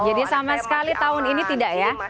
jadi sama sekali tahun ini tidak ya